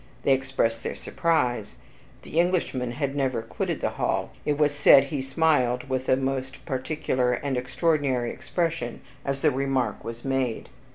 They expressed their surprise. The Englishman had never quitted the hall; it was said he smiled with a most particular and extraordinary expression as the remark was made.